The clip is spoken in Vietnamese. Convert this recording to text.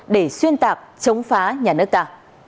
để xuyên tạp chống phá nhà nước ta